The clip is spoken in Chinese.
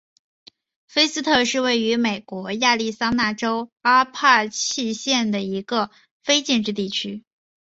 菲斯特是位于美国亚利桑那州阿帕契县的一个非建制地区。